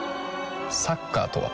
サッカーとは？